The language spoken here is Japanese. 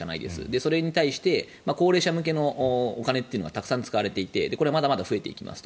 それに対して高齢者向けのお金がたくさん使われていてこれはまだまだ使われていきますと。